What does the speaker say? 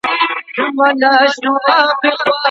ولي زیارکښ کس د هوښیار انسان په پرتله برخلیک بدلوي؟